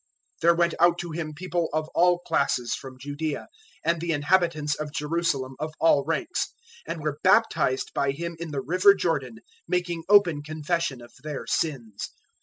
001:005 There went out to him people of all classes from Judaea, and the inhabitants of Jerusalem of all ranks, and were baptized by him in the river Jordan, making open confession of their sins.